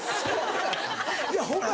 いやホンマ